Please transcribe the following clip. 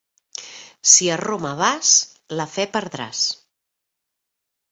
Si a Roma vas la fe perdràs.